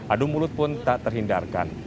adu mulut pun tak terhindarkan